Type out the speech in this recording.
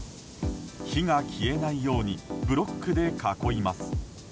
火が消えないようにブロックで囲います。